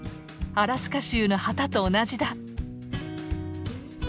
アラスカ州の旗と同じだ。